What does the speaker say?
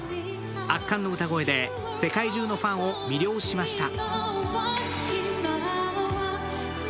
圧巻の歌声で世界中のファンを魅了しました。